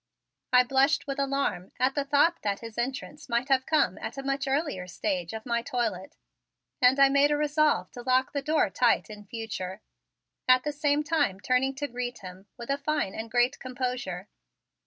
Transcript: I blushed with alarm at the thought that his entrance might have come at a much earlier stage of my toilet and I made a resolve to lock the door tight in future, at the same time turning to greet him with a fine and great composure.